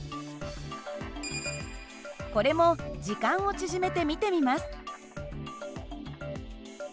これも時間を縮めて見てみます。